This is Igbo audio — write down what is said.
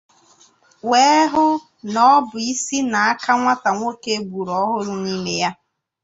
wee hụ na ọ bu isi na aka nwatanwoke e gburu ọhụrụ n'ime ya.